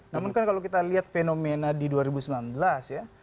namun kan kalau kita lihat fenomena di dua ribu sembilan belas ya